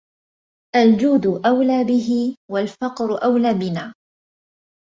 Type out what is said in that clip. الجود أولى به والفقر أولى بنا